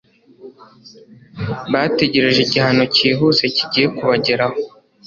bategereje igihano cyihuse kigiye kubageraho